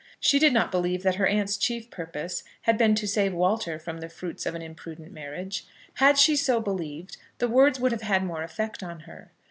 She did not believe that her aunt's chief purpose had been to save Walter from the fruits of an imprudent marriage. Had she so believed, the words would have had more effect on her.